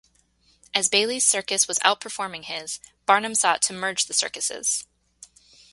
As Bailey's circus was outperforming his, Barnum sought to merge the circuses.